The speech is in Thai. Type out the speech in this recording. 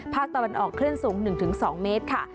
ภาคตะวันออกคลื่นสูง๑๒เมตรค่ะ